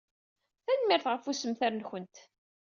Tanemmirt ɣef ussemter-nwent.